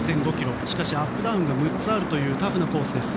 しかしアップダウンが６つあるというタフなコースです。